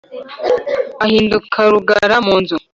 Ahinduka rugara mu nzu